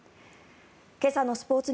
今朝のスポーツ